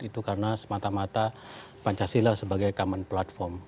itu karena semata mata pancasila sebagai common platform